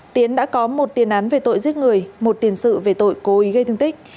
tiến đã có một tiền án về tội giết người một tiền sự về tội cố ý gây thương tích